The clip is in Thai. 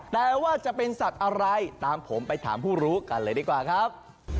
แต่ว่าจะเป็นสัตว์อะไรตามผมไปถามผู้รู้กันเลยดีกว่าครับ